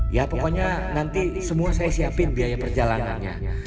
ya pokoknya nanti semua saya siapin biaya perjalanannya